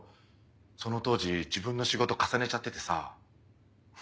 その当時自分の仕事重ねちゃっててさ。